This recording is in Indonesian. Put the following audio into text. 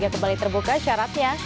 kembali terbuka syaratnya